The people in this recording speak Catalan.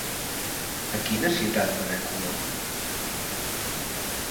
A quina ciutat va anar Colom?